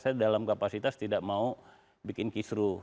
saya dalam kapasitas tidak mau bikin kisru